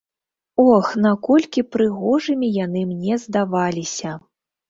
Ох, наколькі прыгожымі яны мне здаваліся.